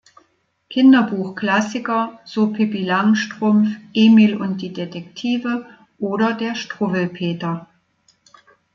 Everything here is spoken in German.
Kinderbuch-Klassiker, so Pippi Langstrumpf, Emil und die Detektive oder Der Struwwelpeter.